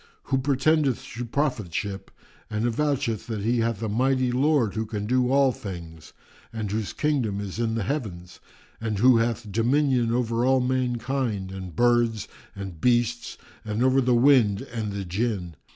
[FN#359] who pretendeth to prophetship and avoucheth that he hath a mighty Lord who can do all things and whose kingdom is in the Heavens and who hath dominion over all mankind and birds and beasts and over the wind and the Jinn.